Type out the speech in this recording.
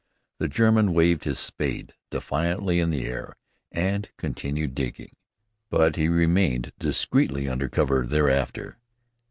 The German waved his spade defiantly in the air and continued digging; but he remained discreetly under cover thereafter.